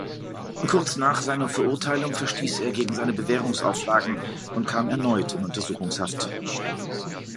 Kurz nach seiner Verurteilung verstieß er gegen seine Bewährungsauflagen und kam erneut in Untersuchungshaft.